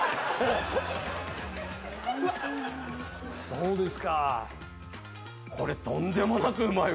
どうですか？